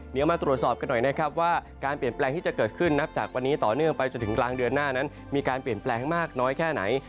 เดี๋ยวมาตรวจสอบกันหน่อยนะครับว่าการเปลี่ยนแปลงที่จะเกิดขึ้นนับจากวันนี้ต่อเนื่องไปจนถึงกลางเดือนหน้านั้นมีการเปลี่ยนแปลงมากน้อยแค่ไหน